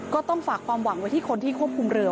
ก็ต้องฝากความหวังไว้ที่คนที่ควบคุมเรือ